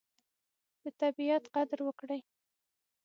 د طبیعت قدر وکړئ.